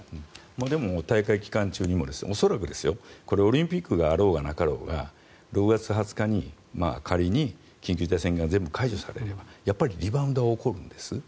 でも、大会期間中にも恐らく、オリンピックがあろうがなかろうが６月２０日に仮に緊急事態宣言が全部解除されればやっぱりリバウンドが起こるんです。